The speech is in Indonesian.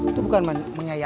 itu bukan mang yaya